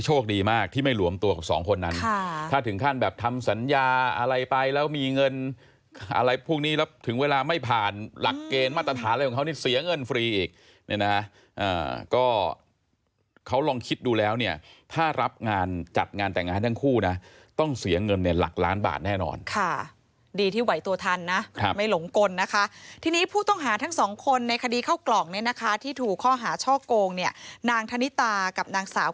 โชคดีมากที่ไม่หลวมตัวกับสองคนนั้นค่ะถ้าถึงขั้นแบบทำสัญญาอะไรไปแล้วมีเงินอะไรพรุ่งนี้แล้วถึงเวลาไม่ผ่านหลักเกณฑ์มาตรฐานอะไรของเขานี่เสียเงินฟรีอีกเนี้ยนะอ่าก็เขาลองคิดดูแล้วเนี้ยถ้ารับงานจัดงานแต่งงานทั้งคู่น่ะต้องเสียเงินเนี้ยหลักล้านบาทแน่นอนค่ะดีที่ไหวตัวทันนะครับ